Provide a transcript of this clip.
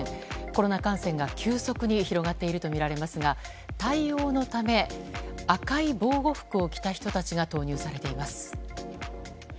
コロナ感染が急速に広がっているとみられますが対応のため赤い防護服を着た人たちが投入されています。